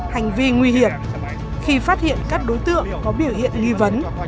hành vi nguy hiểm khi phát hiện các đối tượng có biểu hiện nghi vấn